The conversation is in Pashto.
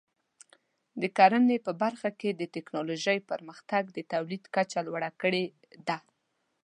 د کرنې په برخه کې د ټکنالوژۍ پرمختګ د تولید کچه لوړه کړې ده.